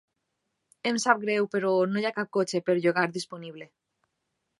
Em sap greu, però no hi ha cap cotxe per llogar disponible.